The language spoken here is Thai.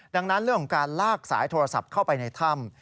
ดังนั้นเรื่องของการลากสายโทรศัพท์เข้าไปในถ้ำ